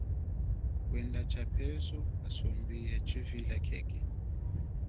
Kwenda tshaphezu kasumbi yatshivila khekhe.